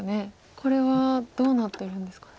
これはどうなってるんですかね。